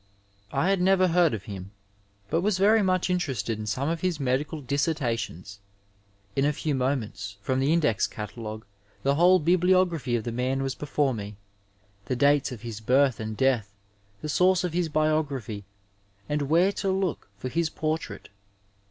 I had never heard of him, but was very much interested in some of his medical dissertations. In a few moments from the Index Catalogue the whole bibliography of the man was before me, the dates of his birth and death, the source of his biography, and where to look for his portrait.